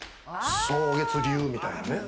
草月流みたいなね。